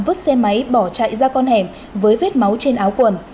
người dân dùng xe máy bỏ chạy ra con hẻm với vết máu trên áo quần